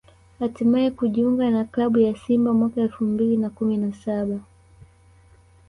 hatimaye kujiunga na klabu ya Simba mwaka elfu mbili na kumi na saba